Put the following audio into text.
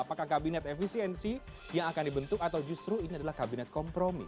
apakah kabinet efisiensi yang akan dibentuk atau justru ini adalah kabinet kompromi